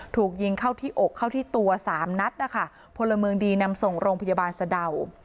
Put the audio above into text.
ถูกยิงเข้าที่อกเข้าที่ตัวสามนัดนะคะพลเมืองดีนำส่งโรงพยาบาลสะดาว